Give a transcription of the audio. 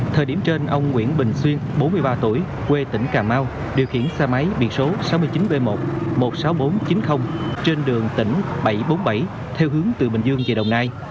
thời điểm trên ông nguyễn bình xuyên bốn mươi ba tuổi quê tỉnh cà mau điều khiển xe máy biệt số sáu mươi chín b một một mươi sáu nghìn bốn trăm chín mươi trên đường tỉnh bảy trăm bốn mươi bảy theo hướng từ bình dương về đồng nai